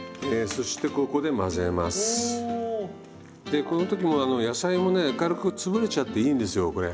でこの時も野菜もね軽く潰れちゃっていいんですよこれ。